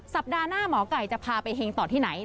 สัปดาห์หน้าหมอไก่จะพาไปเฮงต่อที่ไหน